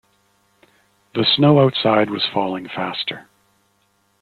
The snow outside was falling faster.